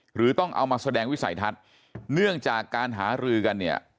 หรือต้องเอามาแสดงวิสัยทัศน์เนื่องจากการหารือกันเนี่ย